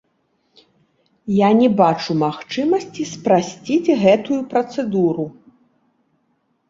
І я не бачу магчымасці спрасціць гэтую працэдуру.